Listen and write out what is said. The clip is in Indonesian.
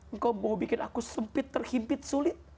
engkau mau bikin aku sempit terhimpit sulit